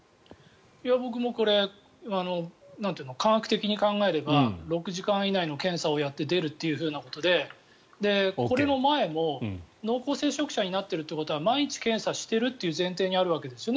僕もこれ科学的に考えれば６時間以内の検査をやって出るということでこれの前も濃厚接触者になっているということは毎日検査しているという前提にあるわけですね。